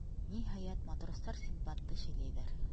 Ниһайәт, матростар Синдбадты шәйләйҙәр.